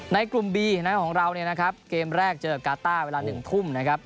ในกลุ่มบีของเราเนี่ยนะครับเกมแรกเจอกับกาต้าเวลา๑ทุ่มนะครับ